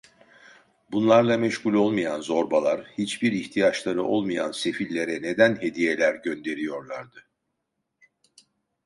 Bunlarla meşgul olmayan zorbalar, hiçbir ihtiyaçları olmayan sefillere neden hediyeler gönderiyorlardı?